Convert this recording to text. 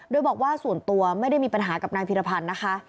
โดยบอกว่าส่วนตัวไม่ได้มีปัญหากับนายพิรพันธ์นะคะ